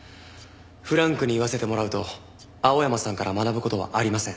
フランクに言わせてもらうと青山さんから学ぶ事はありません。